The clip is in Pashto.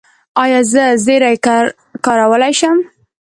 ایا زه زیره کارولی شم؟